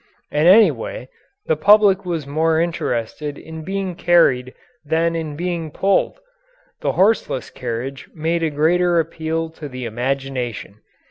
And anyway, the public was more interested in being carried than in being pulled; the horseless carriage made a greater appeal to the imagination.